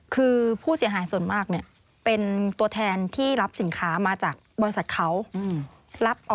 คือผู้เสียหายส่วนมากเนี่ยเป็นตัวแทนที่รับสินค้ามาจากบริษัทเขารับออก